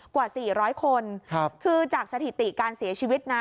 กว่า๔๐๐คนคือจากสถิติการเสียชีวิตนะ